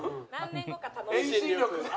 遠心力。